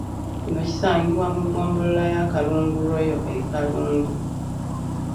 Kino kisangibwa mu ggombolola ya Kalungu Royal e Kalungu.